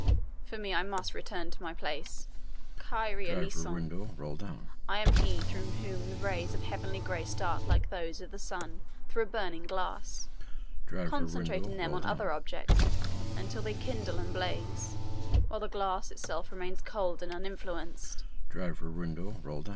For me I must return to my place. Kyrie Eleison! I am he through whom the rays of heavenly grace dart like those of the sun through a burning glass, concentrating them on other objects, until they kindle and blaze, while the glass itself remains cold and uninfluenced.